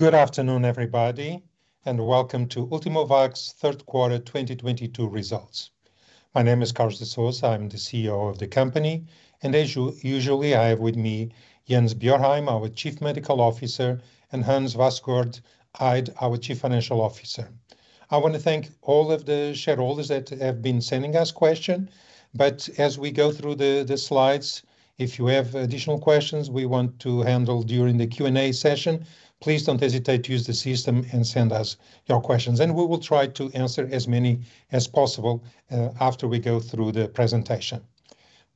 Good afternoon, everybody, and welcome to Ultimovacs' Q3 2022 results. My name is Carlos de Sousa, I'm the CEO of the company, and as usually, I have with me Jens Bjørheim, our Chief Medical Officer, and Hans Vassgård Eid, our Chief Financial Officer. I wanna thank all of the shareholders that have been sending us questions, but as we go through the slides, if you have additional questions we want to handle during the Q&A session, please don't hesitate to use the system and send us your questions, and we will try to answer as many as possible after we go through the presentation.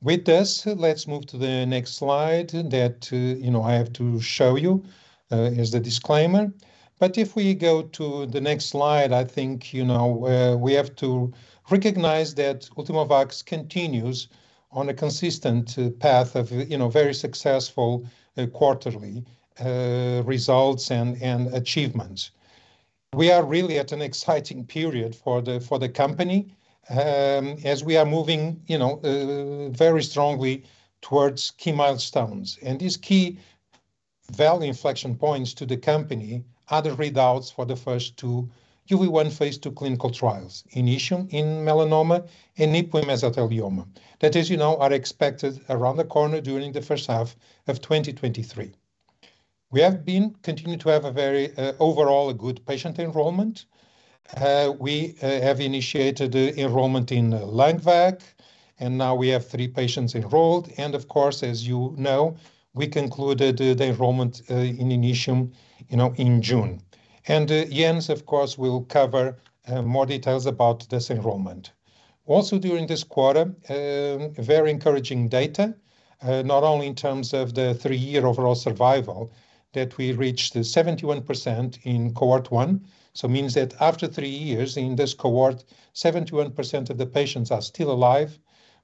With this, let's move to the next slide that you know I have to show you is the disclaimer. If we go to the next slide, I think, you know, we have to recognize that Ultimovacs continues on a consistent path of, you know, very successful, quarterly, results and achievements. We are really at an exciting period for the company, as we are moving, you know, very strongly towards key milestones. These key value inflection points to the company are the readouts for the first two UV1 phase II clinical trials, INITIUM in melanoma and NIPU in mesothelioma. That is, you know, are expected around the corner during the H1 of 2023. We have been continuing to have a very overall a good patient enrollment. We have initiated the enrollment in LUNGVAC, and now we have three patients enrolled. Of course, as you know, we concluded the enrollment in INITIUM, you know, in June. Jens, of course, will cover more details about this enrollment. Also, during this quarter, very encouraging data, not only in terms of the three-year overall survival that we reached 71% in cohort 1. Means that after three years in this cohort, 71% of the patients are still alive.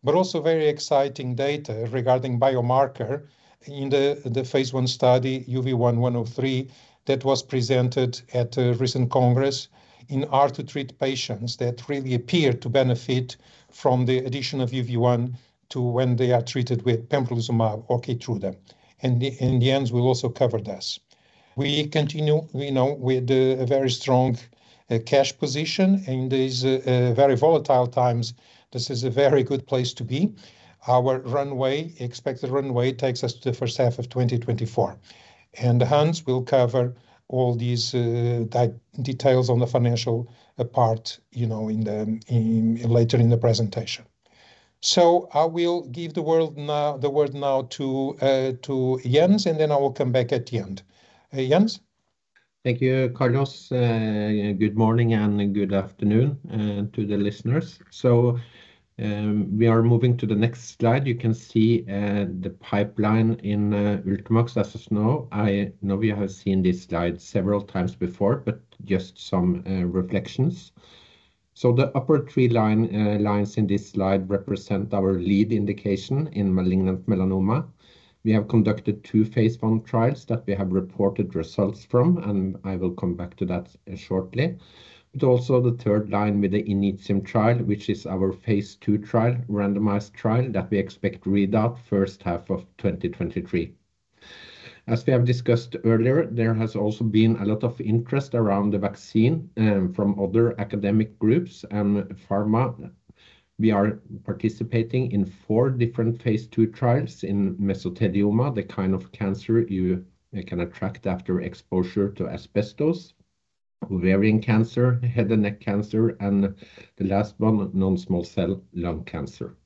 Also very exciting data regarding biomarker in the phase I study, UV1-103, that was presented at a recent congress in our treated patients that really appear to benefit from the addition of UV1 to when they are treated with pembrolizumab or KEYTRUDA. Jens will also cover this. We continue with a very strong cash position. In these very volatile times, this is a very good place to be. Our expected runway takes us to the H1 of 2024. Hans will cover all these details on the financial part, you know, later in the presentation. I will give the word now to Jens, and then I will come back at the end. Jens? Thank you, Carlos. Good morning and good afternoon to the listeners. We are moving to the next slide. You can see the pipeline in Ultimovacs as of now. I know you have seen this slide several times before, but just some reflections. The upper three lines in this slide represent our lead indication in malignant melanoma. We have conducted two phase I trials that we have reported results from, and I will come back to that shortly. Also the third line with the INITIUM trial, which is our phase II trial, randomized trial, that we expect readout H1 of 2023. As we have discussed earlier, there has also been a lot of interest around the vaccine from other academic groups and pharma. We are participating in four different phase II trials in mesothelioma, the kind of cancer you can contract after exposure to asbestos, ovarian cancer, head and neck cancer, and the last one, non-small cell lung cancer.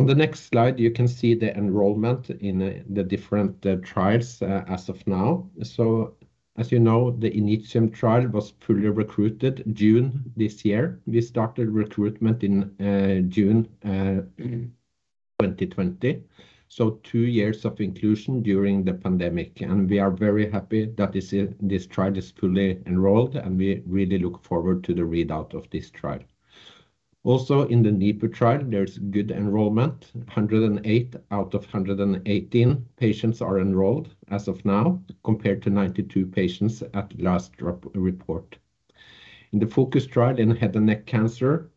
On the next slide, you can see the enrollment in the different trials as of now. As you know, the INITIUM trial was fully recruited June this year. We started recruitment in June 2020, so two years of inclusion during the pandemic. We are very happy that this trial is fully enrolled, and we really look forward to the readout of this trial. Also, in the NIPU trial, there's good enrollment. 108 out of 118 patients are enrolled as of now, compared to 92 patients at last drop report. In the FOCUS trial in head and neck cancer,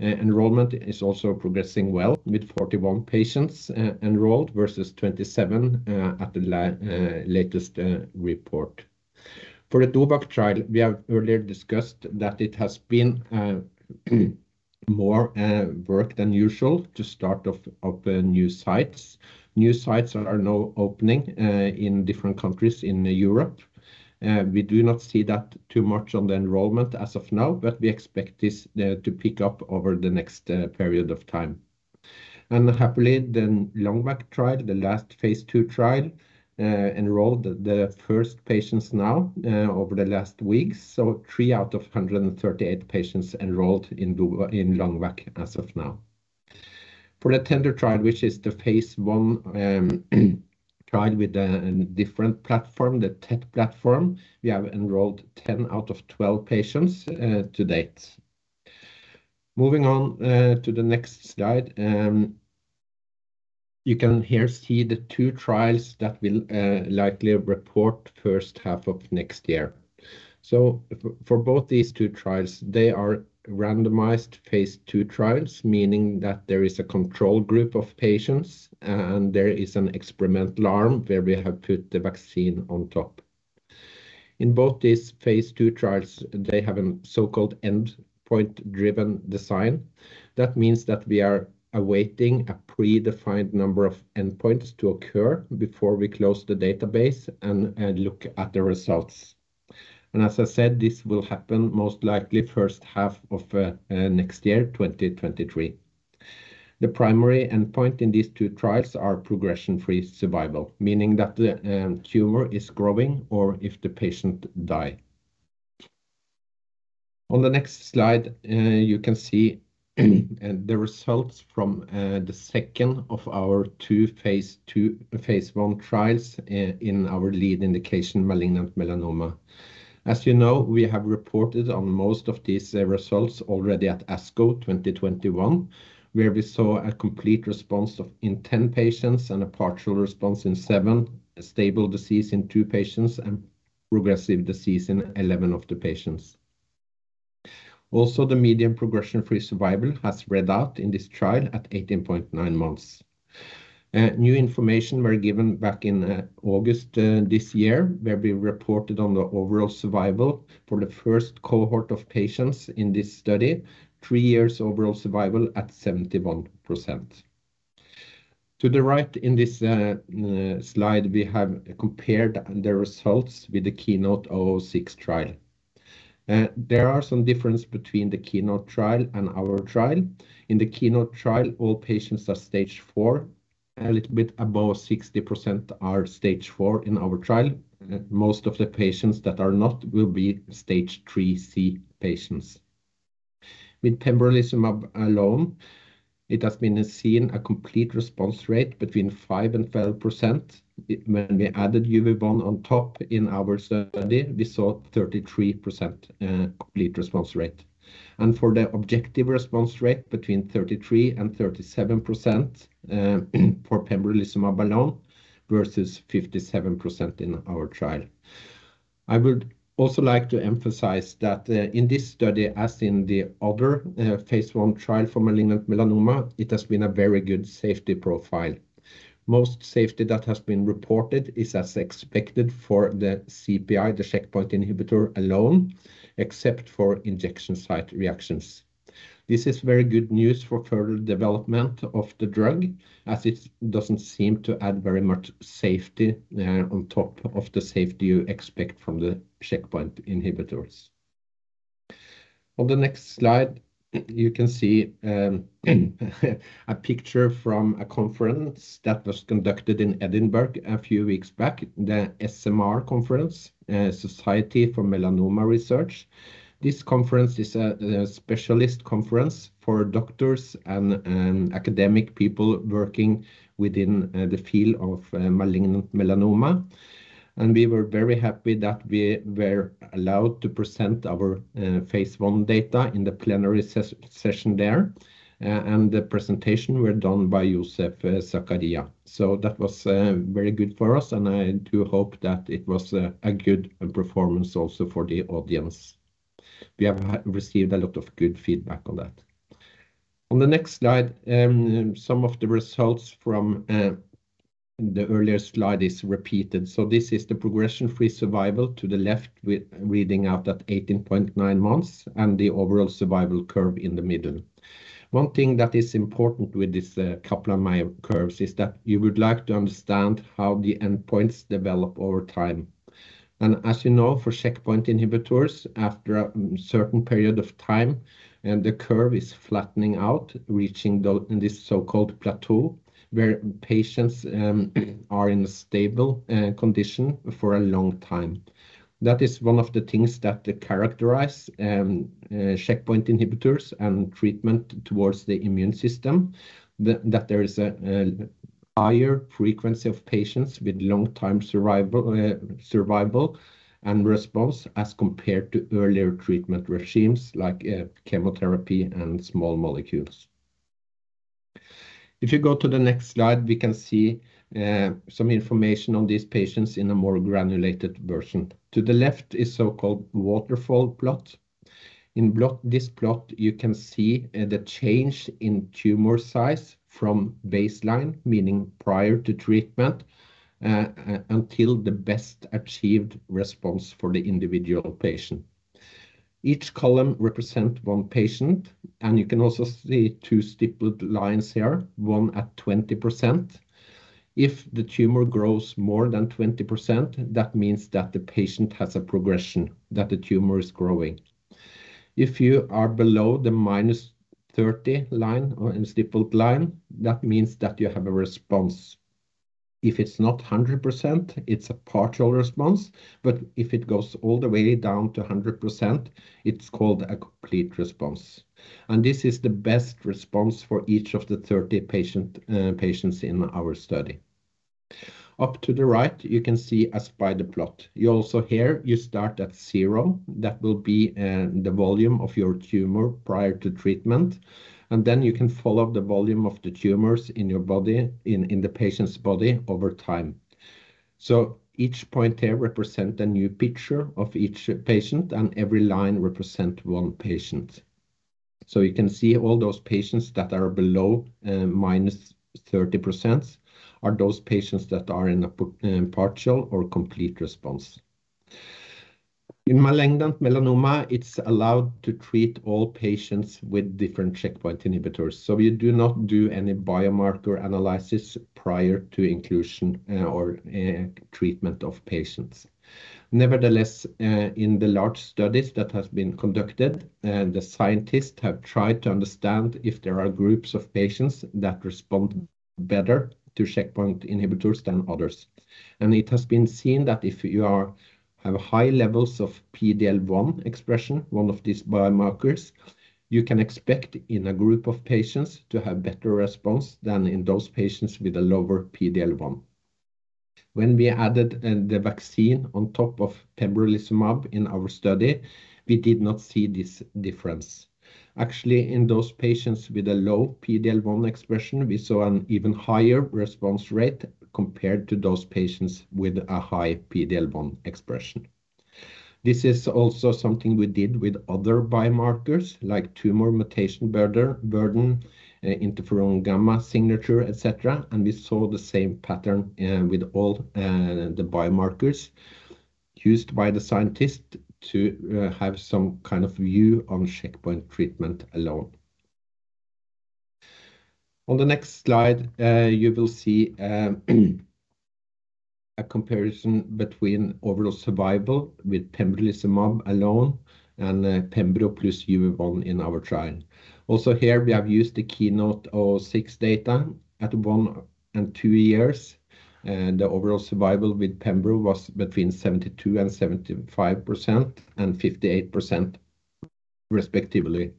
enrollment is also progressing well with 41 patients enrolled versus 27 at the latest report. For the DOVAC trial, we have earlier discussed that it has been more work than usual to start up new sites. New sites are now opening in different countries in Europe. We do not see that too much on the enrollment as of now, but we expect this to pick up over the next period of time. Happily, the LUNGVAC trial, the last phase II trial, enrolled the first patients now over the last weeks. Three out of 138 patients enrolled in LUNGVAC as of now. For the TENDU trial, which is the phase I trial with a different platform, the TET platform, we have enrolled 10 out of 12 patients to date. Moving on to the next slide, you can see here the two trials that will likely report H1 of next year. For both these two trials, they are randomized phase II trials, meaning that there is a control group of patients, and there is an experimental arm where we have put the vaccine on top. In both these phase II trials, they have a so-called endpoint driven design. That means that we are awaiting a predefined number of endpoints to occur before we close the database and look at the results. As I said, this will happen most likely H1 of next year, 2023. The primary endpoint in these two trials are progression-free survival, meaning that the tumor is growing or if the patient die. On the next slide, you can see the results from the second of our two phase I trials in our lead indication, malignant melanoma. As you know, we have reported on most of these results already at ASCO 2021, where we saw a complete response in 10 patients and a partial response in 7, a stable disease in 2 patients, and progressive disease in 11 of the patients. Also, the median progression-free survival has read out in this trial at 18.9 months. New information were given back in August this year, where we reported on the overall survival for the first cohort of patients in this study, three years overall survival at 71%. To the right in this slide, we have compared the results with the KEYNOTE-006 trial. There are some difference between the KEYNOTE trial and our trial. In the KEYNOTE trial, all patients are stage 4, a little bit above 60% are stage 4 in our trial. Most of the patients that are not will be stage 3C patients. With pembrolizumab alone, it has been seen a complete response rate between 5% and 12%. When we added UV-1 on top in our study, we saw 33% complete response rate. For the objective response rate between 33% and 37% for pembrolizumab alone, versus 57% in our trial. I would also like to emphasize that in this study, as in the other phase I trial for malignant melanoma, it has been a very good safety profile. Most safety that has been reported is as expected for the CPI, the checkpoint inhibitor alone, except for injection site reactions. This is very good news for further development of the drug, as it doesn't seem to add very much safety on top of the safety you expect from the checkpoint inhibitors. On the next slide, you can see a picture from a conference that was conducted in Edinburgh a few weeks back, the SMR conference, Society for Melanoma Research. This conference is a specialist conference for doctors and academic people working within the field of malignant melanoma. We were very happy that we were allowed to present our phase I data in the plenary session there. The presentation were done by Yousef Zakaria. That was very good for us, and I do hope that it was a good performance also for the audience. We have received a lot of good feedback on that. On the next slide, some of the results from the earlier slide is repeated. This is the progression-free survival to the left with reading out at 18.9 months and the overall survival curve in the middle. One thing that is important with this, Kaplan-Meier curves is that you would like to understand how the endpoints develop over time. As you know, for checkpoint inhibitors, after a certain period of time, the curve is flattening out, reaching this so-called plateau, where patients are in a stable condition for a long time. That is one of the things that characterize checkpoint inhibitors and treatment towards the immune system, that there is a higher frequency of patients with long-term survival and response as compared to earlier treatment regimes like chemotherapy and small molecules. If you go to the next slide, we can see some information on these patients in a more granular version. To the left is so-called waterfall plot. In this plot, you can see the change in tumor size from baseline, meaning prior to treatment, until the best achieved response for the individual patient. Each column represent one patient, and you can also see two stippled lines here, one at 20%. If the tumor grows more than 20%, that means that the patient has a progression, that the tumor is growing. If you are below the -30 line or in stippled line, that means that you have a response. If it's not 100%, it's a partial response. If it goes all the way down to 100%, it's called a complete response. This is the best response for each of the 30 patients in our study. Up to the right, you can see a spider plot. You also here you start at zero. That will be the volume of your tumor prior to treatment. Then you can follow the volume of the tumors in the patient's body over time. Each point here represent a new picture of each patient, and every line represent one patient. You can see all those patients that are below -30% are those patients that are in a partial or complete response. In malignant melanoma, it's allowed to treat all patients with different checkpoint inhibitors. We do not do any biomarker analysis prior to inclusion or treatment of patients. Nevertheless, in the large studies that has been conducted, the scientists have tried to understand if there are groups of patients that respond better to checkpoint inhibitors than others. It has been seen that if you have high levels of PD-L1 expression, one of these biomarkers, you can expect in a group of patients to have better response than in those patients with a lower PD-L1. When we added the vaccine on top of pembrolizumab in our study, we did not see this difference. Actually, in those patients with a low PD-L1 expression, we saw an even higher response rate compared to those patients with a high PD-L1 expression. This is also something we did with other biomarkers like tumor mutation burden, interferon gamma signature, et cetera, and we saw the same pattern with all the biomarkers used by the scientist to have some kind of view on checkpoint treatment alone. On the next slide, you will see a comparison between overall survival with pembrolizumab alone and pembro plus UV1 in our trial. Also here, we have used the KEYNOTE-006 data at one and two years. The overall survival with pembro was between 72%-75% and 58% respectively.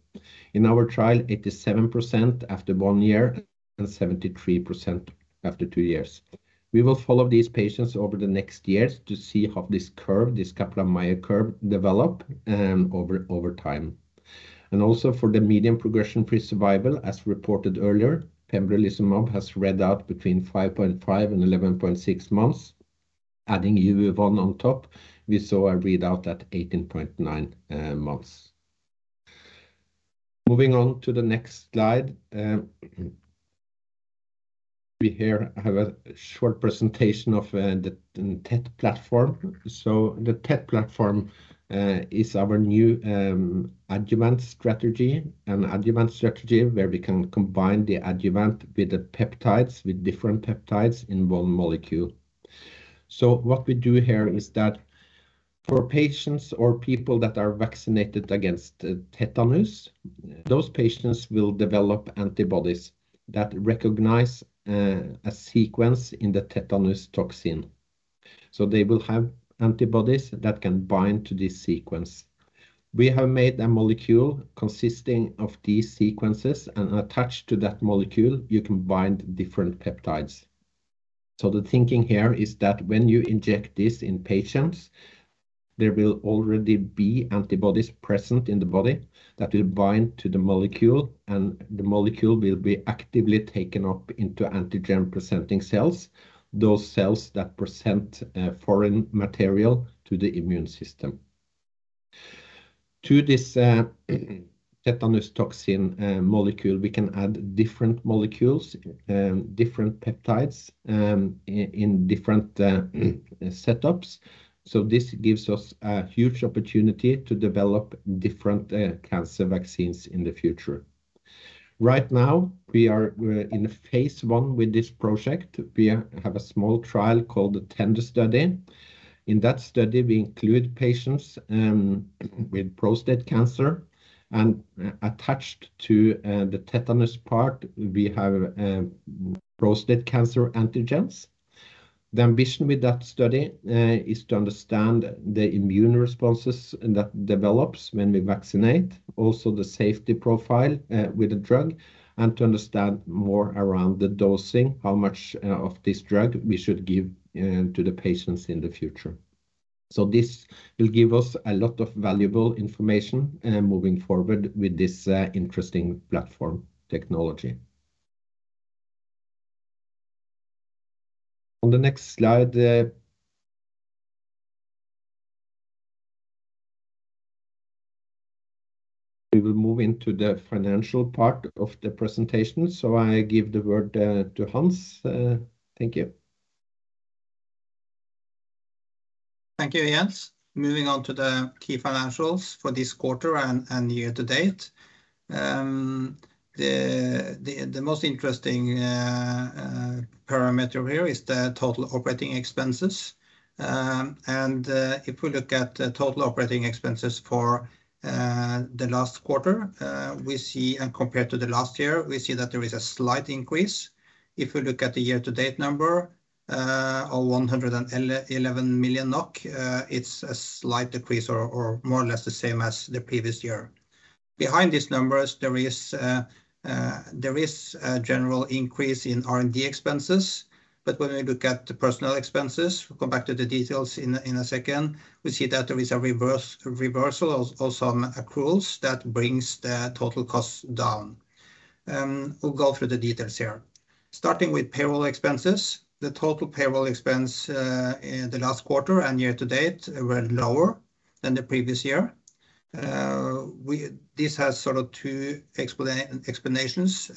In our trial, 87% after one year and 73% after two years. We will follow these patients over the next years to see how this curve, this Kaplan-Meier curve, develop over time. Also for the median progression-free survival, as reported earlier, pembrolizumab has read out between 5.5 months and 11.6 months. Adding UV1 on top, we saw a readout at 18.9 months. Moving on to the next slide, we here have a short presentation of the TET platform. The TET platform is our new adjuvant strategy. An adjuvant strategy where we can combine the adjuvant with the peptides, with different peptides in one molecule. What we do here is that for patients or people that are vaccinated against tetanus, those patients will develop antibodies that recognize a sequence in the tetanus toxin. They will have antibodies that can bind to this sequence. We have made a molecule consisting of these sequences, and attached to that molecule you can bind different peptides. The thinking here is that when you inject this in patients, there will already be antibodies present in the body that will bind to the molecule, and the molecule will be actively taken up into antigen-presenting cells, those cells that present foreign material to the immune system. To this tetanus toxin molecule, we can add different molecules, different peptides, in different setups. This gives us a huge opportunity to develop different cancer vaccines in the future. Right now we're in a phase I with this project. We have a small trial called the TENDU study. In that study, we include patients with prostate cancer and attached to the tetanus part, we have prostate cancer antigens. The ambition with that study is to understand the immune responses that develops when we vaccinate, also the safety profile with the drug, and to understand more around the dosing, how much of this drug we should give to the patients in the future. This will give us a lot of valuable information moving forward with this interesting platform technology. On the next slide, we will move into the financial part of the presentation. I give the word to Hans. Thank you. Thank you, Jens. Moving on to the key financials for this quarter and year-to-date. The most interesting parameter here is the total operating expenses. If we look at the total operating expenses for the last quarter, we see, and compared to the last year, we see that there is a slight increase. If we look at the year-to-date number, or 111 million NOK, it's a slight decrease or more or less the same as the previous year. Behind these numbers, there is a general increase in R&D expenses. When we look at the personnel expenses, we'll come back to the details in a second. We see that there is a reversal of some accruals that brings the total cost down. We'll go through the details here. Starting with payroll expenses, the total payroll expense in the last quarter and year-to-date were lower than the previous year. This has sort of two explanations.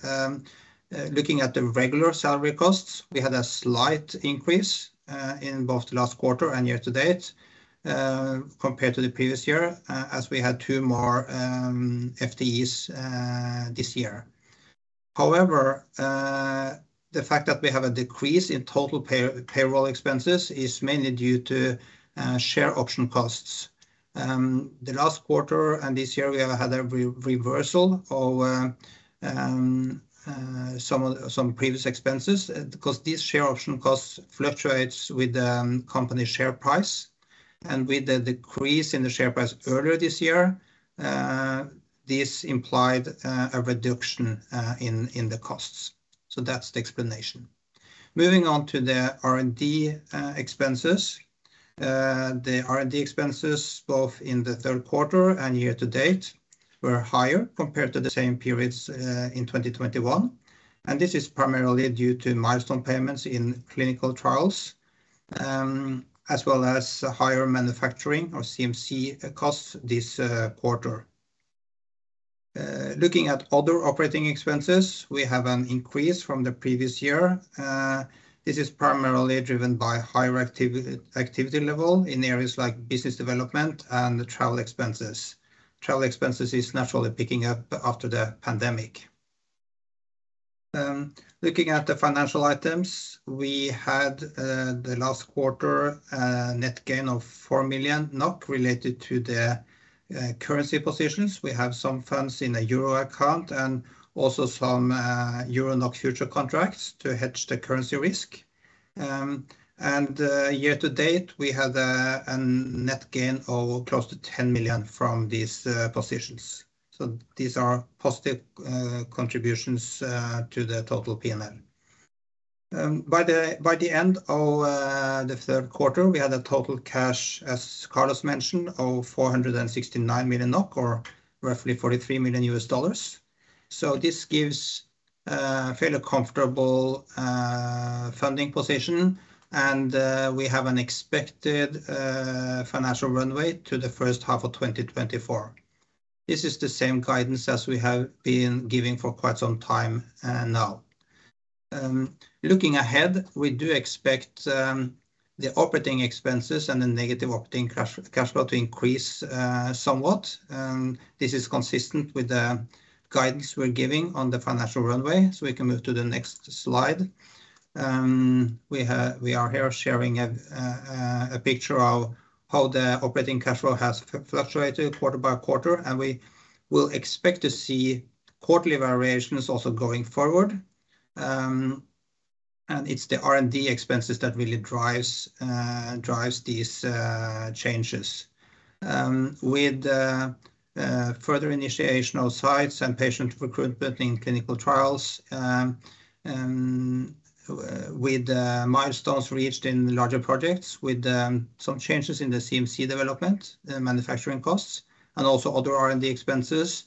Looking at the regular salary costs, we had a slight increase in both the last quarter and year-to-date compared to the previous year as we had two more FTEs this year. However, the fact that we have a decrease in total payroll expenses is mainly due to share option costs. The last quarter and this year, we have had a reversal of some previous expenses. Because these share option costs fluctuates with the company share price, and with the decrease in the share price earlier this year, this implied a reduction in the costs. That's the explanation. Moving on to the R&D expenses. The R&D expenses, both in the Q3 and year-to-date, were higher compared to the same periods in 2021, and this is primarily due to milestone payments in clinical trials, as well as higher manufacturing or CMC costs this quarter. Looking at other operating expenses, we have an increase from the previous year. This is primarily driven by higher activity level in areas like business development and travel expenses. Travel expenses is naturally picking up after the pandemic. Looking at the financial items, we had the last quarter net gain of 4 million related to the currency positions. We have some funds in a Euro account and also some Euro-NOK future contracts to hedge the currency risk. Year-to-date, we had a net gain of close to 10 million from these positions. These are positive contributions to the total P&L. By the end of the Q3, we had a total cash, as Carlos mentioned, of 469 million NOK or roughly $43 million. This gives fairly comfortable funding position, and we have an expected financial runway to the H1 of 2024. This is the same guidance as we have been giving for quite some time, now. Looking ahead, we do expect the operating expenses and the negative operating cash flow to increase somewhat, and this is consistent with the guidance we're giving on the financial runway. We can move to the next slide. We are here sharing a picture of how the operating cash flow has fluctuated quarter-by-quarter, and we will expect to see quarterly variations also going forward. It's the R&D expenses that really drives these changes. With further initiation of sites and patient recruitment in clinical trials, with the milestones reached in larger projects, with some changes in the CMC development, the manufacturing costs, and also other R&D expenses,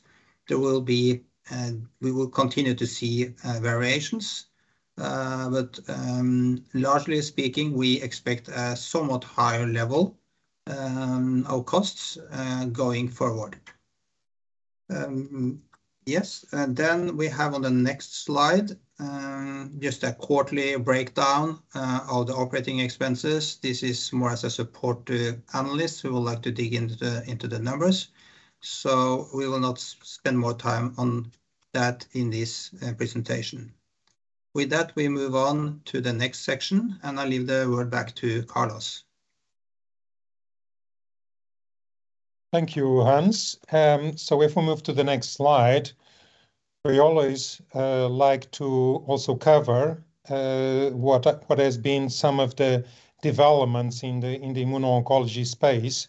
there will be- we will continue to see variations. Largely speaking, we expect a somewhat higher level of costs going forward. Yes. We have on the next slide just a quarterly breakdown of the operating expenses. This is more as a support to analysts who would like to dig into the numbers. We will not spend more time on that in this presentation. With that, we move on to the next section, and I leave the word back to Carlos. Thank you, Hans. If we move to the next slide, we always like to also cover what has been some of the developments in the immuno-oncology space.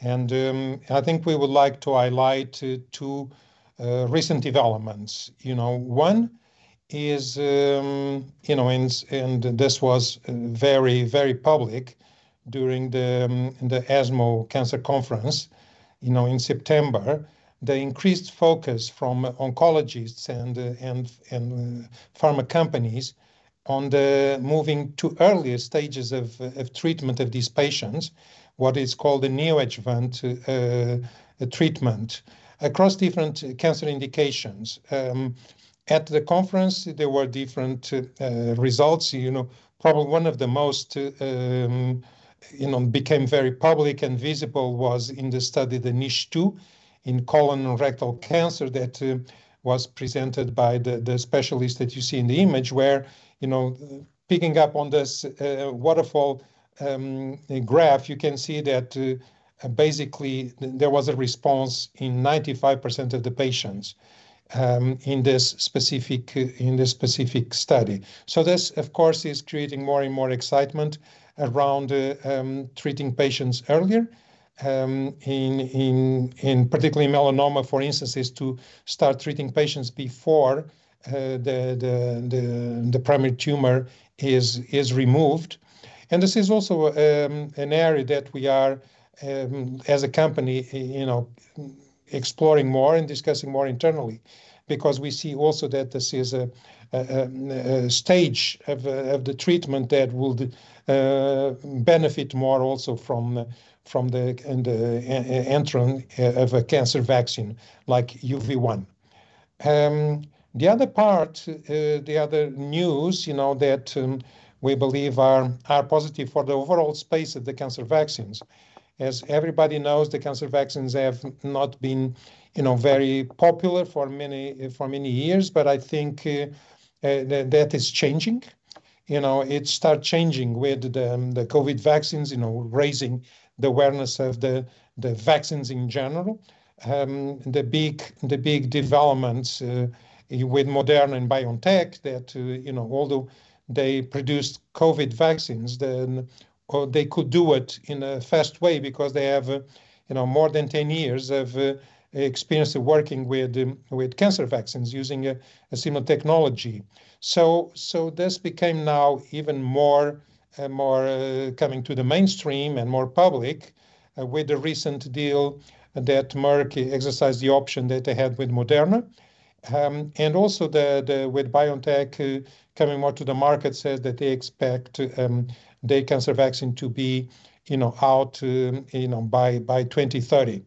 I think we would like to highlight two recent developments. You know, one is, you know, and this was very, very public during the ESMO Cancer Conference, you know, in September. The increased focus from oncologists and pharma companies on moving to earlier stages of treatment of these patients, what is called a neoadjuvant treatment across different cancer indications. At the conference, there were different results. You know, probably one of the most you know became very public and visible was in the study, the NICHE-2 in colorectal cancer that was presented by the specialist that you see in the image where you know picking up on this waterfall graph you can see that basically there was a response in 95% of the patients in this specific study. This, of course, is creating more and more excitement around treating patients earlier particularly in melanoma for instance is to start treating patients before the primary tumor is removed. This is also an area that we are, as a company, you know, exploring more and discussing more internally because we see also that this is a stage of the treatment that will benefit more also from the entering of a cancer vaccine like UV1. The other part, the other news, you know, that we believe are positive for the overall space of the cancer vaccines. As everybody knows, the cancer vaccines have not been, you know, very popular for many years. I think that is changing. You know, it start changing with the COVID vaccines, you know, raising the awareness of the vaccines in general. The big developments with Moderna and BioNTech that, you know, although they produced COVID vaccines, or they could do it in a fast way because they have, you know, more than 10 years of experience of working with cancer vaccines using a similar technology. This became now even more coming to the mainstream and more public with the recent deal that Merck exercised the option that they had with Moderna. With BioNTech coming more to the market, says that they expect their cancer vaccine to be, you know, out, you know, by 2030.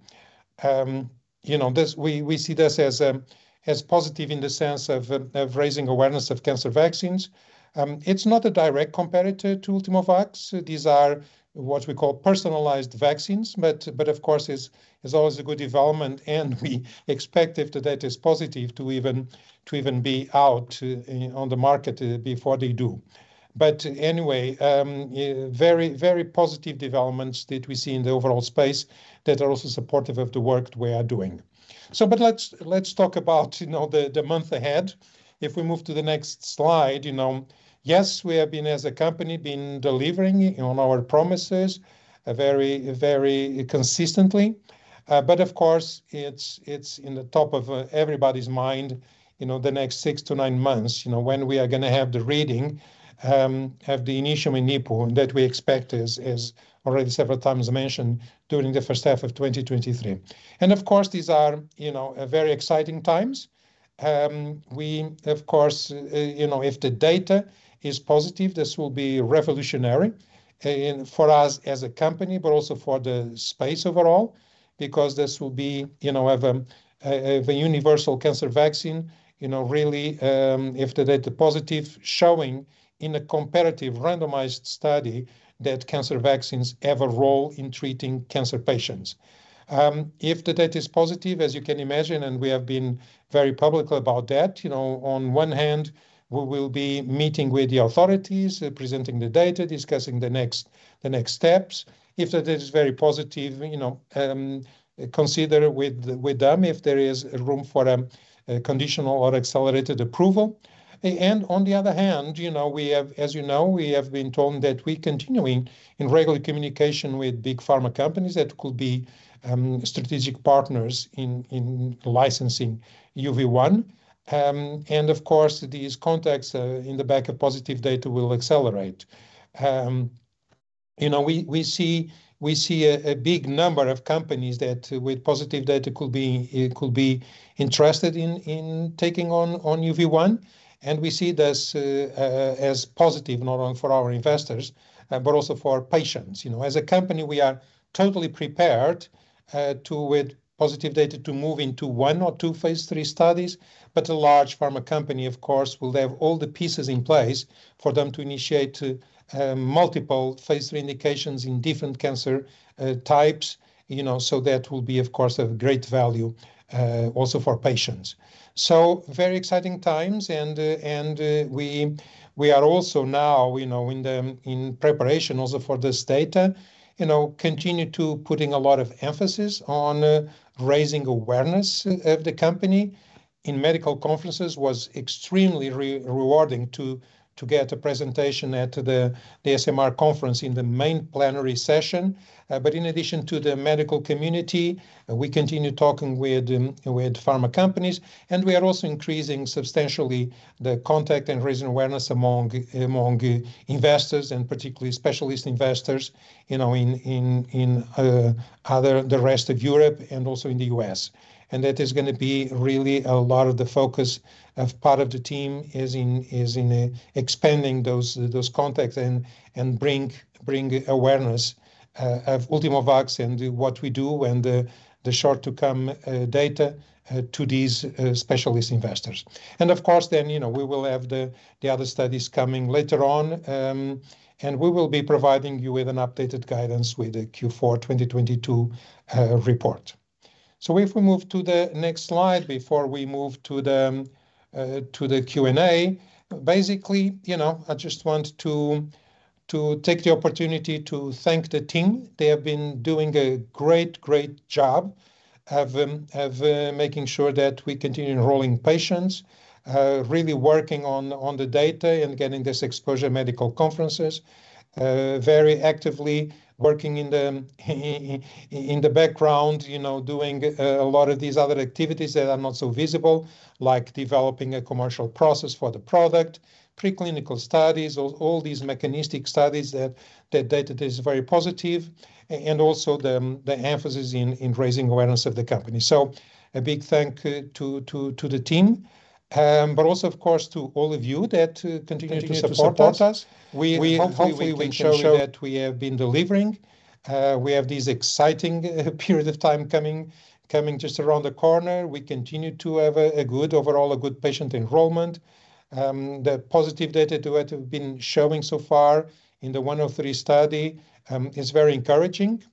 You know, we see this as positive in the sense of raising awareness of cancer vaccines. It's not a direct competitor to Ultimovacs. These are what we call personalized vaccines. Of course, it's always a good development, and we expect if the data is positive to even be out on the market before they do. Anyway, very positive developments that we see in the overall space that are also supportive of the work we are doing. Let's talk about, you know, the month ahead. If we move to the next slide, you know, yes, we have been, as a company, delivering on our promises very consistently. Of course, it's in the top of everybody's mind, you know, the next six to nine months, you know, when we are gonna have the initial readout with NIPU that we expect is already several times mentioned during the H1 of 2023. Of course, these are, you know, very exciting times. We, of course, you know, if the data is positive, this will be revolutionary, and for us as a company but also for the space overall because this will be, you know, a universal cancer vaccine. You know, really, if the data positive showing in a comparative randomized study that cancer vaccines have a role in treating cancer patients. If the data is positive, as you can imagine, and we have been very public about that, you know, on one hand, we will be meeting with the authorities, presenting the data, discussing the next steps. If the data is very positive, you know, consider with them if there is room for a conditional or accelerated approval. On the other hand, you know, we have, as you know, we have been told that we continuing in regular communication with big pharma companies that could be strategic partners in licensing UV1. Of course, these contacts in the back of positive data will accelerate. You know, we see a big number of companies that with positive data could be interested in taking on UV1, and we see this as positive not only for our investors, but also for our patients. You know, as a company, we are totally prepared to with positive data to move into one or two phase III studies. But a large pharma company, of course, will have all the pieces in place for them to initiate multiple phase III indications in different cancer types. You know, that will be, of course, of great value also for patients. Very exciting times and we are also now, you know, in preparation also for this data, you know, continue to putting a lot of emphasis on raising awareness of the company. In medical conferences was extremely rewarding to get a presentation at the SMR conference in the main plenary session. In addition to the medical community, we continue talking with pharma companies, and we are also increasing substantially the contact and raising awareness among investors and particularly specialist investors, you know, in the rest of Europe and also in the U.S. That is gonna be really a lot of the focus of part of the team is in expanding those contacts and bring awareness of Ultimovacs and what we do and the forthcoming data to these specialist investors. Of course, then, you know, we will have the other studies coming later on. We will be providing you with an updated guidance with the Q4 2022 report. If we move to the next slide before we move to the Q&A. Basically, you know, I just want to take the opportunity to thank the team. They have been doing a great job of making sure that we continue enrolling patients, really working on the data and getting this exposure medical conferences, very actively working in the background, you know, doing a lot of these other activities that are not so visible, like developing a commercial process for the product, preclinical studies, all these mechanistic studies that the data is very positive and also the emphasis in raising awareness of the company. A big thanks to the team, but also of course to all of you that continue to support us. We hopefully can show that we have been delivering. Continue to support us. We have these exciting period of time coming just around the corner. We continue to have a good overall good patient enrollment. The positive data that we have been showing so far in the 103 study is very encouraging.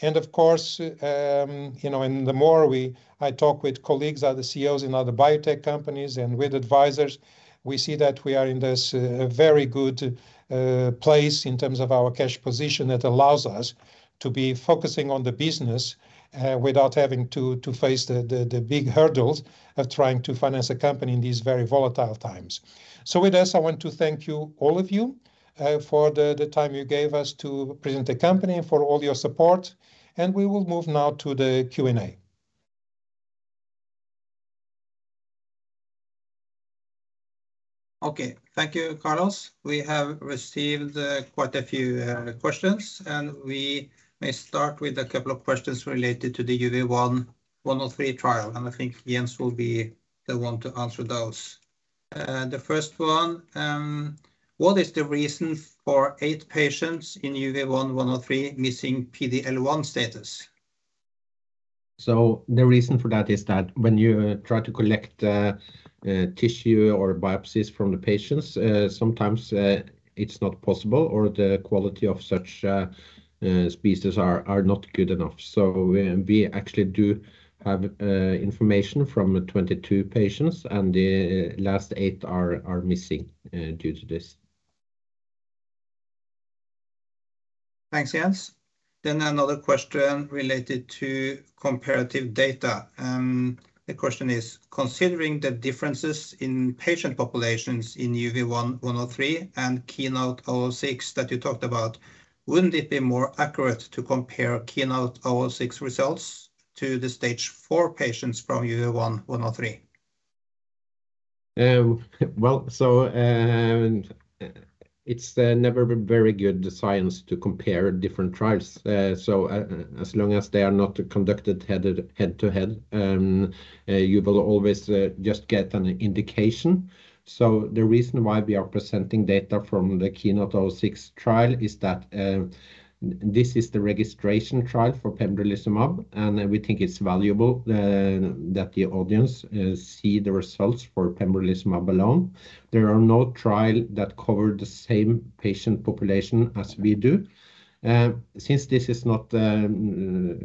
Of course, you know, the more I talk with colleagues, other CEOs in other biotech companies and with advisors, we see that we are in this very good place in terms of our cash position that allows us to be focusing on the business without having to face the big hurdles of trying to finance a company in these very volatile times. With this, I want to thank you, all of you, for the time you gave us to present the company and for all your support. We will move now to the Q&A. Okay. Thank you, Carlos. We have received quite a few questions, and we may start with a couple of questions related to the UV1-103 trial, and I think Jens will be the one to answer those. The first one, what is the reason for eight patients in UV1-103 missing PD-L1 status? The reason for that is that when you try to collect tissue or biopsies from the patients, sometimes it's not possible or the quality of such specimens are not good enough. We actually do have information from 22 patients, and the last 8 are missing due to this. Thanks, Jens. Another question related to comparative data. The question is, considering the differences in patient populations in UV1-103 and KEYNOTE-006 that you talked about, wouldn't it be more accurate to compare KEYNOTE-006 results to the stage four patients from UV1-103? Well, it's never very good science to compare different trials. As long as they are not conducted head to head, you will always just get an indication. The reason why we are presenting data from the KEYNOTE-006 trial is that this is the registration trial for pembrolizumab, and we think it's valuable that the audience see the results for pembrolizumab alone. There are no trials that cover the same patient population as we do. Since this is not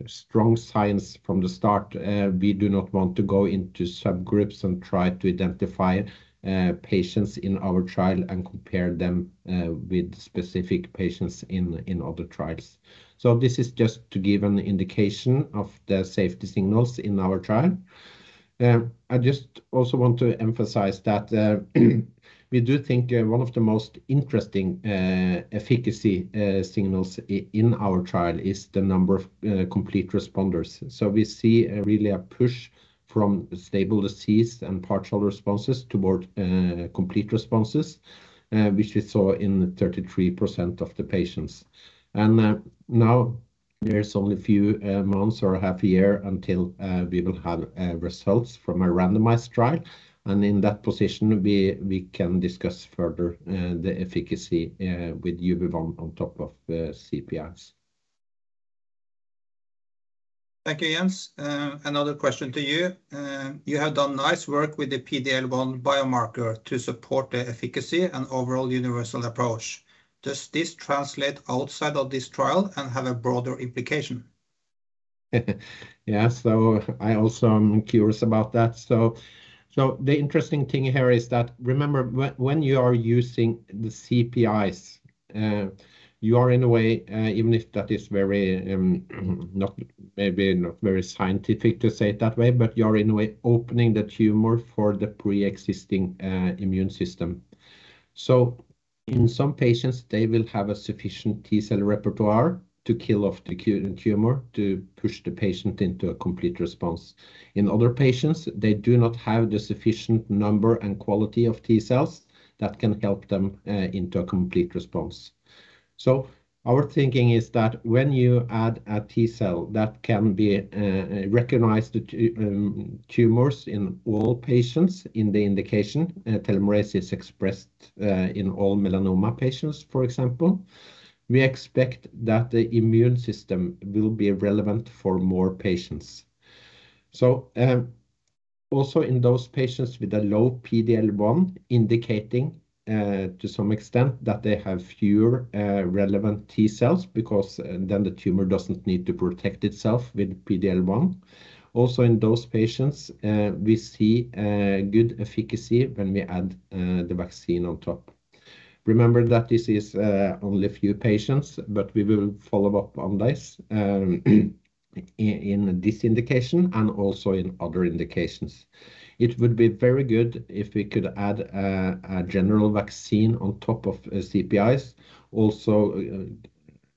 strong science from the start, we do not want to go into subgroups and try to identify patients in our trial and compare them with specific patients in other trials. This is just to give an indication of the safety signals in our trial. I just also want to emphasize that, we do think one of the most interesting, efficacy, signals in our trial is the number of, complete responders. We see really a push from stable disease and partial responses toward, complete responses, which we saw in 33% of the patients. Now there's only a few months or a half a year until, we will have, results from a randomized trial. In that position we can discuss further, the efficacy, with UV1 on top of, CPIs. Thank you, Jens. Another question to you. You have done nice work with the PDL-1 biomarker to support the efficacy and overall universal approach. Does this translate outside of this trial and have a broader implication? Yeah. I also am curious about that. The interesting thing here is that remember when you are using the CPIs, you are in a way, even if that is very, not, maybe not very scientific to say it that way, but you're in a way opening the tumor for the preexisting, immune system. In some patients, they will have a sufficient T-cell repertoire to kill off the tumor to push the patient into a complete response. In other patients, they do not have the sufficient number and quality of T-cells that can help them, into a complete response. Our thinking is that when you add a T-cell that can be, recognized tumors in all patients in the indication, telomerase is expressed, in all melanoma patients, for example. We expect that the immune system will be relevant for more patients. Also in those patients with a low PDL-1 indicating to some extent that they have fewer relevant T-cells because then the tumor doesn't need to protect itself with PDL-1. Also in those patients, we see good efficacy when we add the vaccine on top. Remember that this is only a few patients, but we will follow up on this. In this indication and also in other indications. It would be very good if we could add a general vaccine on top of CPIs also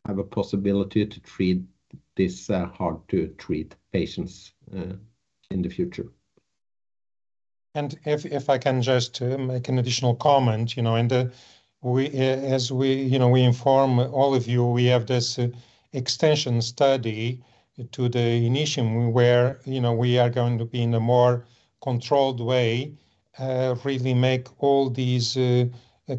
have a possibility to treat this hard-to-treat patients in the future. If I can just make an additional comment, you know. We, as we, you know, we inform all of you, we have this extension study to the INITIUM where, you know, we are going to be in a more controlled way, really make all these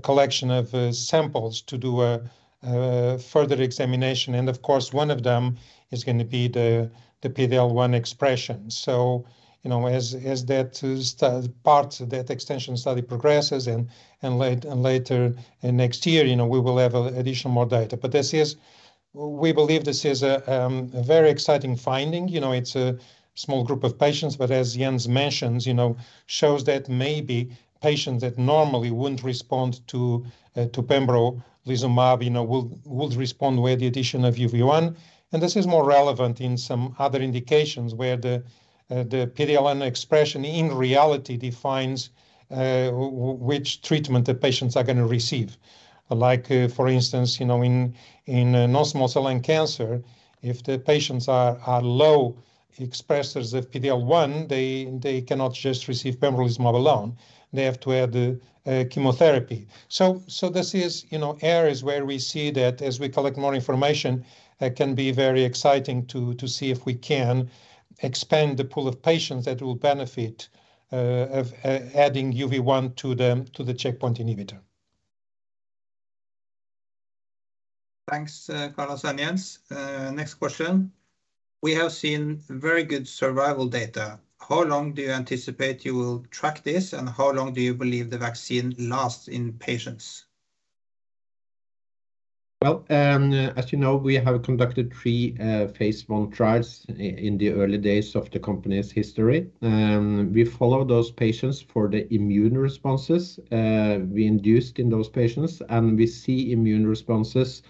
collection of samples to do a further examination. Of course, one of them is gonna be the PD-L1 expression. You know, as that study part, that extension study progresses and later in next year, you know, we will have a additional more data. We believe this is a very exciting finding. You know, it's a small group of patients, but as Jens mentions, you know, shows that maybe patients that normally wouldn't respond to pembrolizumab, you know, would respond with the addition of UV1. This is more relevant in some other indications where the PD-L1 expression in reality defines which treatment the patients are gonna receive. Like, for instance, you know, in non-small cell lung cancer, if the patients are low expressers of PD-L1, they cannot just receive pembrolizumab alone. They have to add chemotherapy. This is, you know, areas where we see that as we collect more information, it can be very exciting to see if we can expand the pool of patients that will benefit of adding UV1 to the checkpoint inhibitor. Thanks, Carlos and Jens. Next question. We have seen very good survival data. How long do you anticipate you will track this and how long do you believe the vaccine lasts in patients? Well, as you know, we have conducted three phase I trials in the early days of the company's history. We follow those patients for the immune responses we induced in those patients, and we see immune responses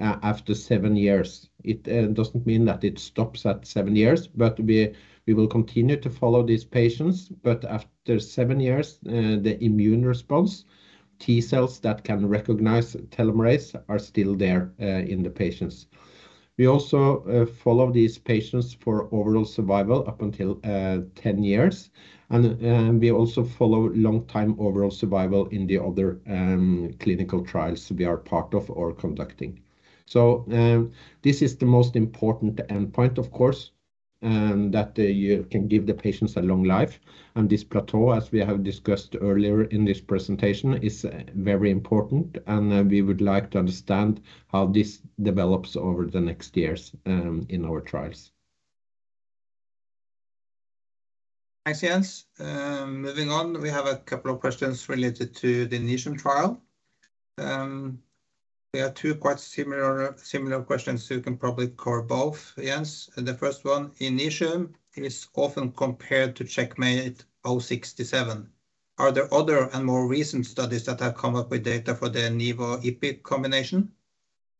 after seven years. It doesn't mean that it stops at seven years, but we will continue to follow these patients. After seven years, the immune response T cells that can recognize telomerase are still there in the patients. We also follow these patients for overall survival up until 10 years, and we also follow long-time overall survival in the other clinical trials we are part of or conducting. This is the most important endpoint, of course, that you can give the patients a long life, and this plateau, as we have discussed earlier in this presentation, is very important, and we would like to understand how this develops over the next years, in our trials. Thanks, Jens. Moving on, we have a couple of questions related to the INITIUM trial. There are two quite similar questions, so you can probably cover both, Jens. The first one, INITIUM is often compared to CheckMate 067. Are there other and more recent studies that have come up with data for the nivo/ipi combination?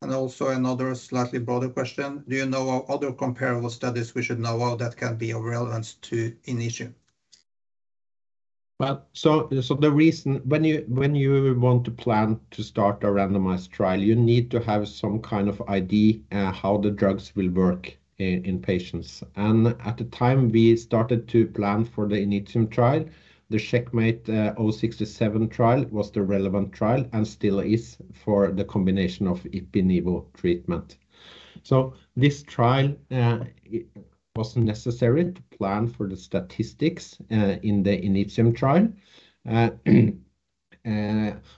Another slightly broader question, do you know of other comparable studies we should know of that can be of relevance to INITIUM? The reason when you want to plan to start a randomized trial, you need to have some kind of idea how the drugs will work in patients. At the time we started to plan for the INITIUM trial, the CheckMate 067 trial was the relevant trial and still is for the combination of ipi/nivo treatment. This trial it was necessary to plan for the statistics in the INITIUM trial.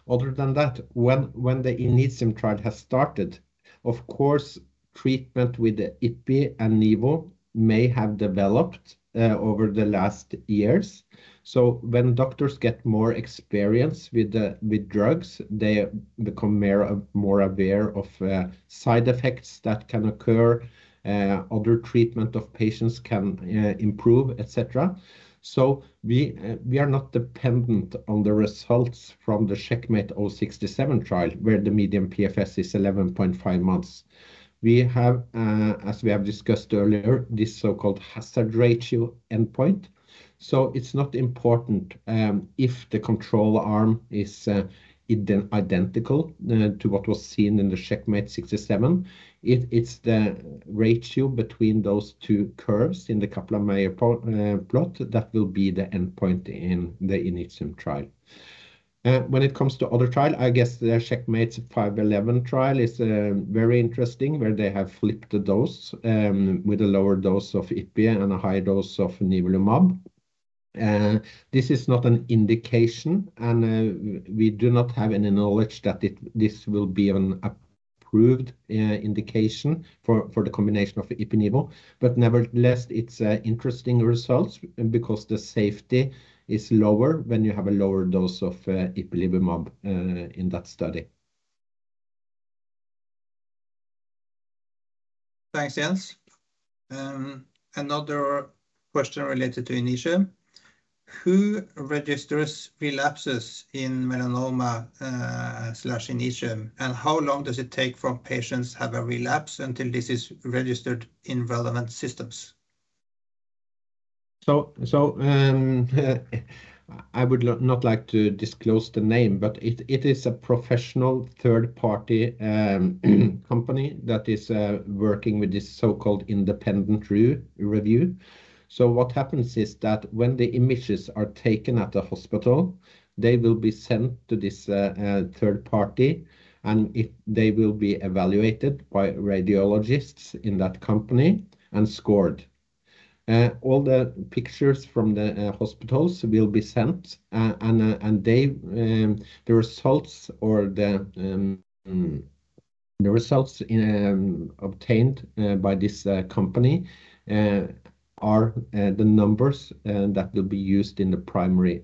Other than that, when the INITIUM trial has started, of course, treatment with the ipi and nivo may have developed over the last years. When doctors get more experience with the drugs, they become more aware of side effects that can occur, other treatment of patients can improve, et cetera. We are not dependent on the results from the CheckMate 067 trial, where the median PFS is 11.5 months. We have, as we have discussed earlier, this so-called hazard ratio endpoint, so it's not important if the control arm is identical to what was seen in the CheckMate 067. It's the ratio between those two curves in the Kaplan-Meier plot that will be the endpoint in the INITIUM trial. When it comes to other trial, I guess the CheckMate 511 trial is very interesting, where they have flipped the dose with a lower dose of ipi and a high dose of nivolumab. This is not an indication, and we do not have any knowledge that this will be an approved indication for the combination of ipi/nivo. Nevertheless, it's interesting results because the safety is lower when you have a lower dose of ipilimumab in that study. Thanks, Jens. Another question related to INITIUM. Who registers relapses in melanoma slash in each, and how long does it take from patients have a relapse until this is registered in relevant systems? I would not like to disclose the name, but it is a professional third party company that is working with this so-called independent re-review. What happens is that when the images are taken at the hospital, they will be sent to this third party, and they will be evaluated by radiologists in that company and scored. All the pictures from the hospitals will be sent, and the results obtained by this company are the numbers that will be used in the primary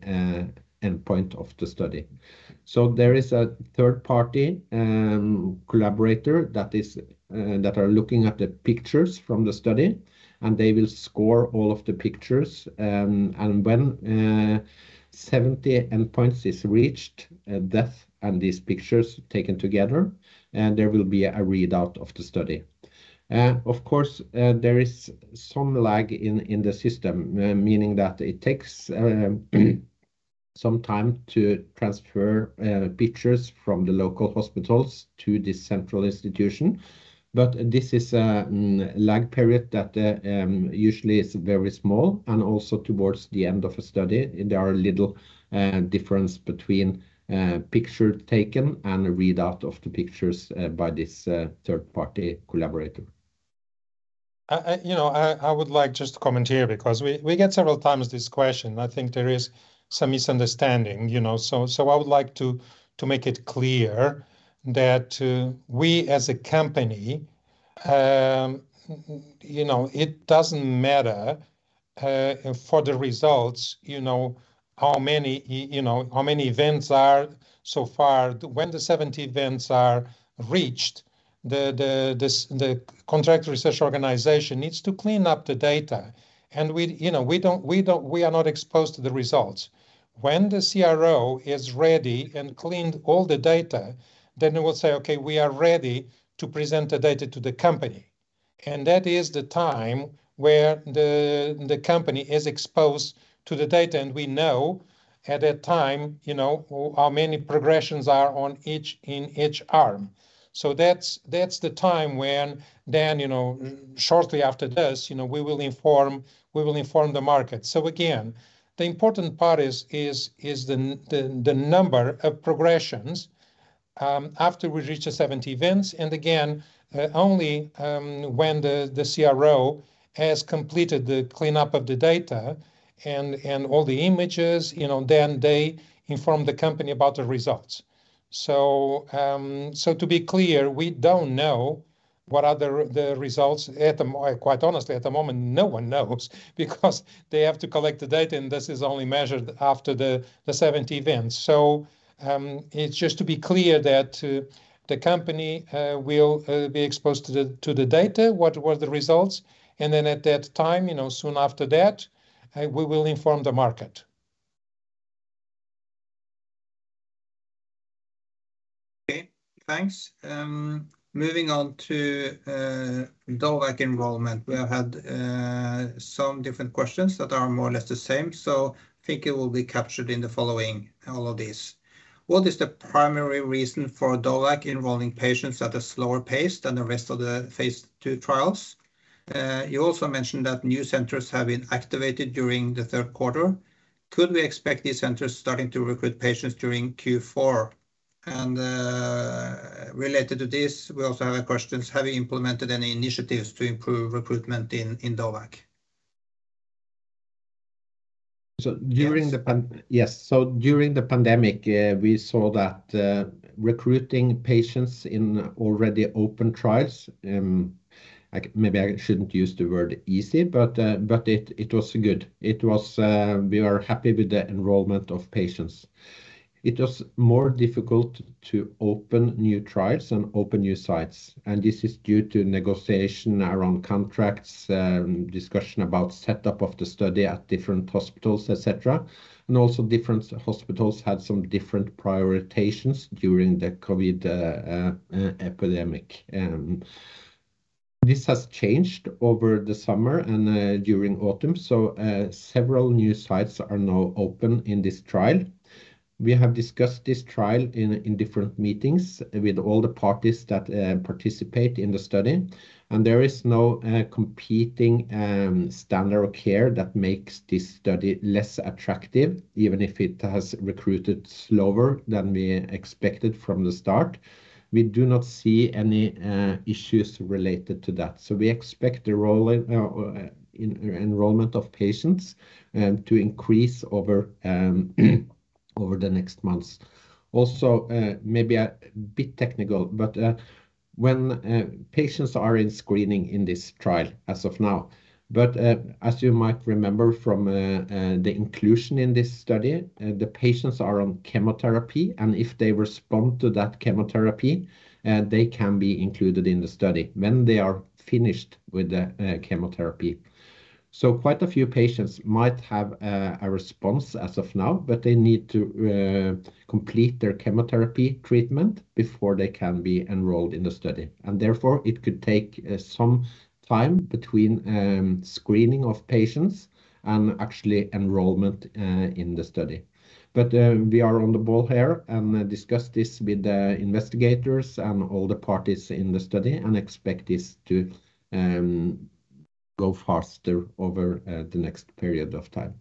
endpoint of the study. There is a third party collaborator that are looking at the pictures from the study, and they will score all of the pictures. When 70 endpoints is reached, data and these pictures taken together, there will be a readout of the study. Of course, there is some lag in the system, meaning that it takes some time to transfer pictures from the local hospitals to the central institution. This is lag period that usually is very small. Also towards the end of a study, there are little difference between picture taken and a readout of the pictures by this third party collaborator. I would like just to comment here because we get several times this question. I think there is some misunderstanding, you know. I would like to make it clear that we as a company, you know, it doesn't matter for the results, you know, how many events are so far. When the 70 events are reached, the contract research organization needs to clean up the data. We, you know, are not exposed to the results. When the CRO is ready and cleaned all the data, then they will say, Okay, we are ready to present the data to the company. That is the time where the company is exposed to the data. We know at that time how many progressions are on each, in each arm. That's the time when shortly after this we will inform the market. Again, the important part is the number of progressions after we reach the 70 events. Again, only when the CRO has completed the cleanup of the data and all the images, then they inform the company about the results. To be clear, we don't know what the results are. Quite honestly, at the moment, no one knows because they have to collect the data, and this is only measured after the 70 events. It's just to be clear that the company will be exposed to the data, what were the results. Then at that time, you know, soon after that, we will inform the market. Okay. Thanks. Moving on to DOVAC enrollment. We have had some different questions that are more or less the same, so I think it will be captured in the following, all of these. What is the primary reason for DOVAC involving patients at a slower pace than the rest of the phase II trials? You also mentioned that new centers have been activated during the Q3. Could we expect these centers starting to recruit patients during Q4? And related to this, we also have a questions: Have you implemented any initiatives to improve recruitment in DOVAC? So during the pan- Yes. Yes. During the pandemic, we saw that, recruiting patients in already open trials, maybe I shouldn't use the word easy, but it was good. It was, we are happy with the enrollment of patients. It was more difficult to open new trials and open new sites, and this is due to negotiation around contracts, discussion about setup of the study at different hospitals, etc. Different hospitals had some different prioritizations during the COVID epidemic. This has changed over the summer and, during autumn. Several new sites are now open in this trial. We have discussed this trial in different meetings with all the parties that participate in the study, and there is no competing standard of care that makes this study less attractive, even if it has recruited slower than we expected from the start. We do not see any issues related to that. We expect the enrollment of patients to increase over the next months. Also, maybe a bit technical, but when patients are in screening in this trial as of now. As you might remember from the inclusion in this study, the patients are on chemotherapy, and if they respond to that chemotherapy, they can be included in the study. When they are finished with the chemotherapy Quite a few patients might have a response as of now, but they need to complete their chemotherapy treatment before they can be enrolled in the study. Therefore, it could take some time between screening of patients and actually enrollment in the study. We are on the ball here and discuss this with the investigators and all the parties in the study and expect this to go faster over the next period of time.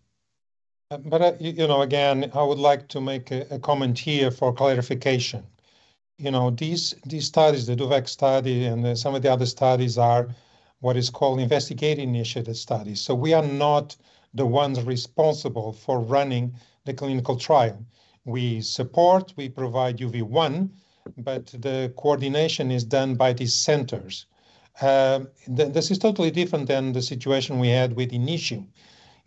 You know, again, I would like to make a comment here for clarification. You know, these studies, the DOVACC study and then some of the other studies, are what is called investigator-initiated studies. So we are not the ones responsible for running the clinical trial. We support, we provide UV1, but the coordination is done by these centers. This is totally different than the situation we had with INITIUM.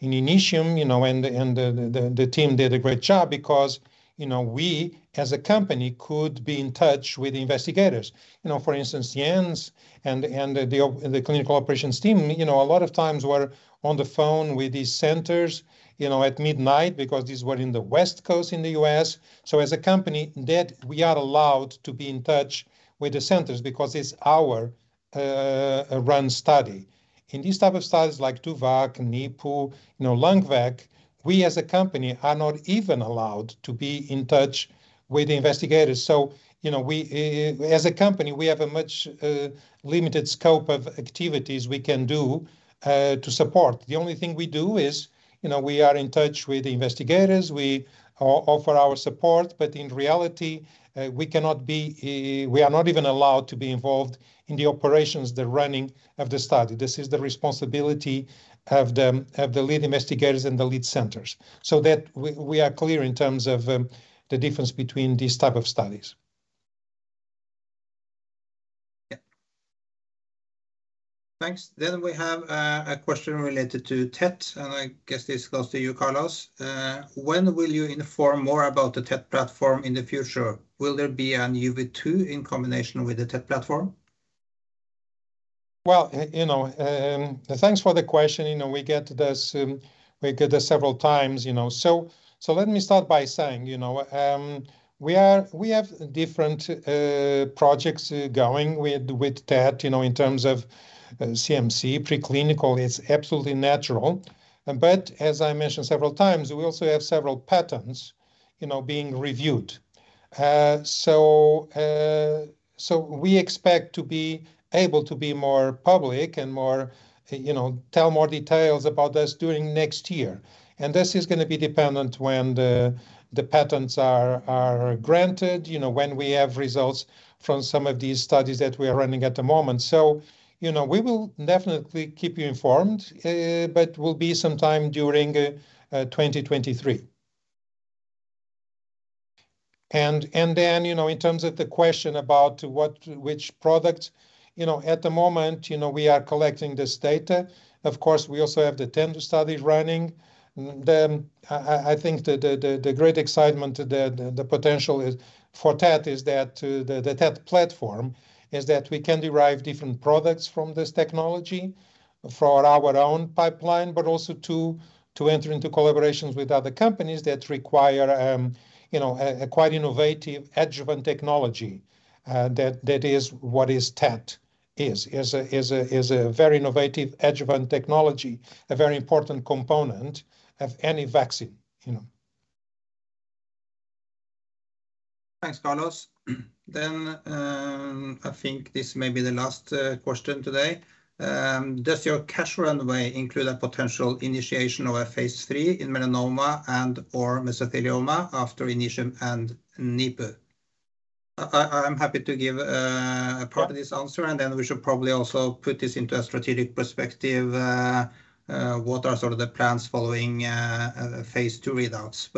In INITIUM, you know, and the team did a great job because, you know, we as a company could be in touch with investigators. You know, for instance, Jens and the clinical operations team, you know, a lot of times were on the phone with these centers, you know, at midnight because these were in the West Coast in the U.S. As a company, that we are allowed to be in touch with the centers because it's our run study. In these type of studies like DOVACC, NIPU, you know, LUNGVAC, we as a company are not even allowed to be in touch with the investigators. As a company, we have a much limited scope of activities we can do to support. The only thing we do is, you know, we are in touch with the investigators, we offer our support, but in reality, we cannot be, we are not even allowed to be involved in the operations, the running of the study. This is the responsibility of the lead investigators and the lead centers. That we are clear in terms of the difference between these type of studies. Yeah. Thanks. We have a question related to TET, and I guess this goes to you, Carlos. When will you inform more about the TET platform in the future? Will there be an UV2 in combination with the TET platform? Well, you know, thanks for the question. You know, we get this several times, you know. Let me start by saying, you know, we have different projects going with TET, you know, in terms of CMC, preclinical is absolutely natural. But as I mentioned several times, we also have several patents, you know, being reviewed. We expect to be able to be more public and more, you know, tell more details about this during next year. This is gonna be dependent when the patents are granted, you know, when we have results from some of these studies that we are running at the moment. You know, we will definitely keep you informed, but will be some time during 2023. you know, in terms of the question about which product, you know, at the moment, you know, we are collecting this data. Of course, we also have the TENDU study running. I think the great excitement, the potential is for TET, that the TET platform is that we can derive different products from this technology for our own pipeline, but also to enter into collaborations with other companies that require, you know, a quite innovative adjuvant technology. that is what TET is. It is a very innovative adjuvant technology, a very important component of any vaccine, you know. Thanks, Carlos. I think this may be the last question today. Does your cash runway include a potential initiation of a phase III in melanoma and/or mesothelioma after INITIUM and NIPU? I'm happy to give a part of this answer, and then we should probably also put this into a strategic perspective. What are sort of the plans following phase II readouts?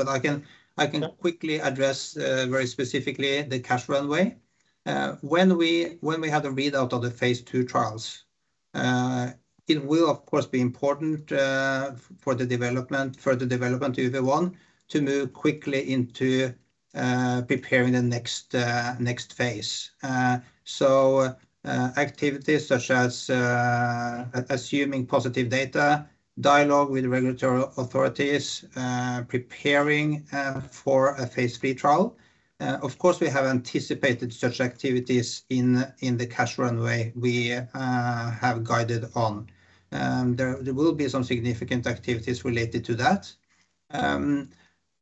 I can Yeah. Quickly address very specifically the cash runway. When we have the readout of the phase II trials, it will of course be important for the development UV1 to move quickly into preparing the next phase, activities such as assuming positive data, dialogue with regulatory authorities, preparing for a phase III trial. Of course, we have anticipated such activities in the cash runway we have guided on. There will be some significant activities related to that.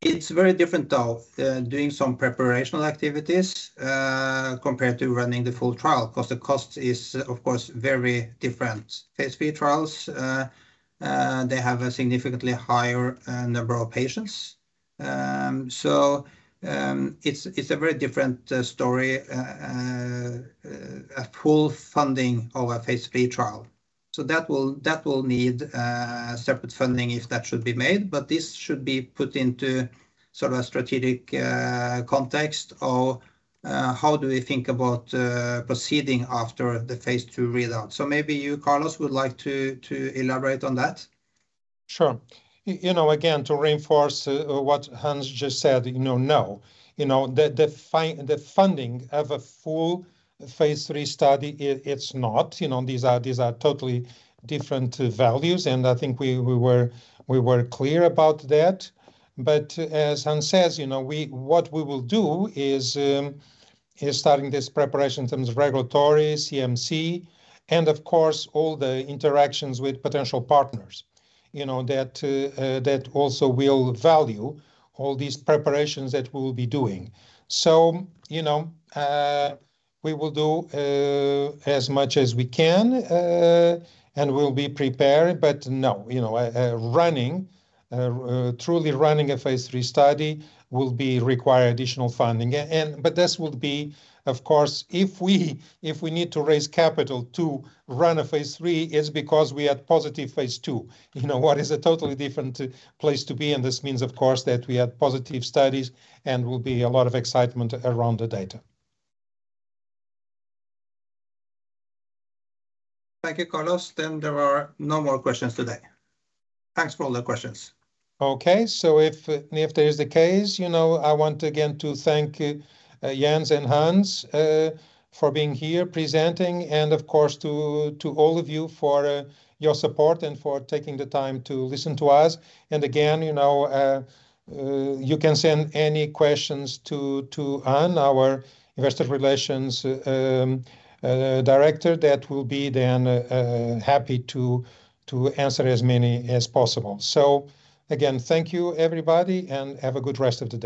It's very different though doing some preparatory activities compared to running the full trial because the cost is of course very different. Phase III trials, they have a significantly higher number of patients. It's a very different story, a full funding of a phase II trial. That will need separate funding if that should be made, but this should be put into sort of a strategic context of how do we think about proceeding after the phase II readout. Maybe you, Carlos, would like to elaborate on that. Sure. You know, again, to reinforce what Hans just said, you know, no. You know, the funding of a full phase III study, it's not. You know, these are totally different values, and I think we were clear about that. As Hans says, you know, what we will do is starting this preparation in terms of regulatory, CMC, and of course all the interactions with potential partners. You know, that also will value all these preparations that we'll be doing. You know, we will do as much as we can, and we'll be prepared, but no, you know, truly running a phase III study will require additional funding. This will be, of course, if we need to raise capital to run a phase III, it's because we had positive phase II. You know, what is a totally different place to be, and this means of course that we had positive studies and will be a lot of excitement around the data. Thank you, Carlos. There are no more questions today. Thanks for all the questions. Okay. If that is the case, you know, I want again to thank Jens and Hans for being here presenting and of course to all of you for your support and for taking the time to listen to us. Again, you know, you can send any questions to Anne, our investor relations director, that will be then happy to answer as many as possible. Again, thank you everybody, and have a good rest of the day.